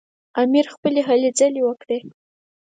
امیر خپلې هلې ځلې وکړې.